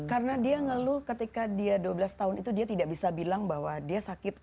karena dia ngeluh ketika dia dua belas tahun itu dia tidak bisa bilang bahwa dia sakit